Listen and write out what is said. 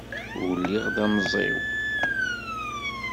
Ur lliɣ d amẓiw.